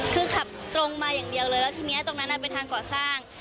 คือขับตรงมาอย่างเดียวเลยแล้วทีนี้ตรงนั้นเป็นทางก่อสร้าง